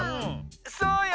そうよ。